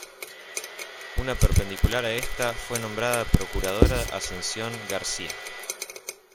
Una perpendicular a esta fue nombrada Procuradora Ascensión García.